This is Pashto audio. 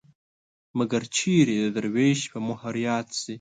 مګر چېرې د دروېش په مهر ياد شي